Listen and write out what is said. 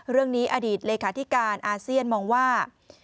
เรื่องนี้อดีตเลขาธิการอาเซียนมองว่า